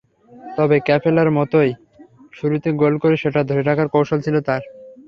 তবে ক্যাপেলার মতোই শুরুতে গোল করে সেটা ধরে রাখার কৌশল ছিল তাঁর।